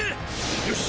よし！